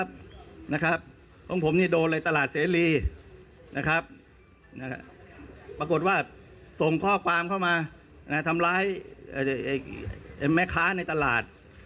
บทว่าส่งขฟเข้ามาทำล้ายแม้ค้าในตลาด